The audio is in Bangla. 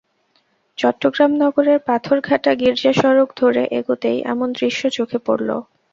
চট্টগ্রাম নগরের পাথরঘাটা গির্জা সড়ক ধরে এগোতেই এমন দৃশ্য চোখে পড়ল।